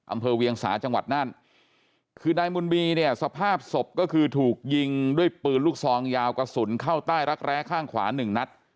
เวียงสาจังหวัดนั่นคือนายมุนบีเนี่ยสภาพศพก็คือถูกยิงด้วยปืนลูกซองยาวกระสุนเข้าใต้รักแร้ข้างขวาหนึ่งนัด